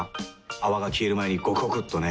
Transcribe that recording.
泡が消える前にゴクゴクっとね。